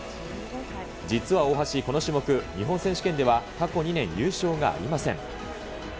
実は大橋、この種目、日本選手権では過去２年、優勝がありません。